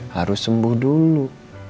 harus sembuh dulu